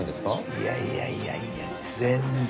いやいやいやいや全然。